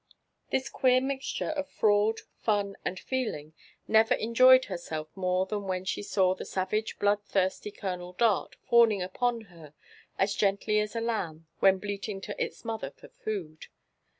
This queer mixture of fraud, fun, and feeling, never enjoyed herself more than when she saw the savage, blood lhirsty Colonel Dart fawn ing upon her as gently as a lani^ when bleating to its mother for food.